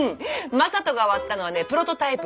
正門が割ったのはねプロトタイプ。